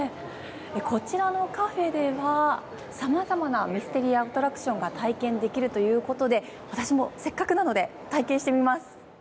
こちらのカフェでは様々なミステリーアトラクションが体験できるということで私もせっかくなので体験してみます。